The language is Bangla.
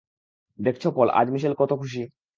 দেখছ পল, আজ মিশেল কত খুশি।